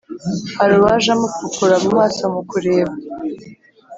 hari uwaje amupfukura mumaso mukureba